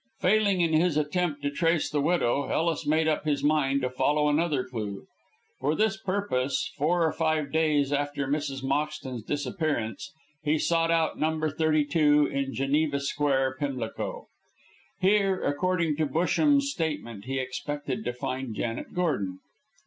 Failing in his attempt to trace the widow, Ellis made up his mind to follow another clue. For this purpose, four or five days after Mrs. Moxton's disappearance, he sought out number thirty two in Geneva Square, Pimlico. Here, according to Busham's statement, he expected to find Janet Gordon.